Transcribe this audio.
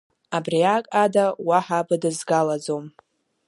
Абриак ада уаҳа быдызгалаӡом…